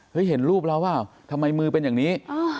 เห้ยเห็นรูปแล้วว่าทำไมมือเป็นอย่างนี้